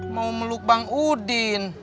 mau meluk bang udin